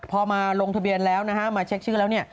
พอมาลงทะเบียนแล้วมาเช็คชื่อแล้ว